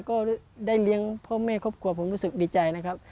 ก็ได้เลี้ยงพ่อแม่ครอบครัวผมรู้สึกดีใจนะครับ